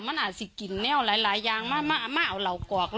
มันน่าดสิกินแน่แหล่ายย้านม้าเรากวอก